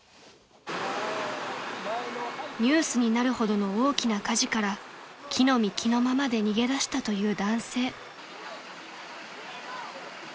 ［ニュースになるほどの大きな火事から着の身着のままで逃げだしたという男性］